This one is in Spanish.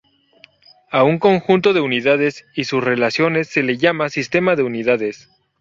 A un conjunto de unidades y sus relaciones se le llama sistema de unidades.